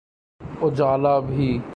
اجالا بھی۔